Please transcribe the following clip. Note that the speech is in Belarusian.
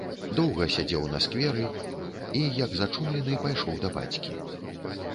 Доўга сядзеў на скверы і, як зачумлены, пайшоў да бацькі.